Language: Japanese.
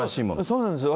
そうなんですよ。